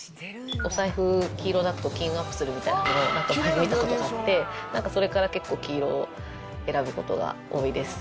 お財布、黄色だと金運アップするみたいなのを聞いたことがあって、なんかそれから結構、黄色選ぶことが多いです。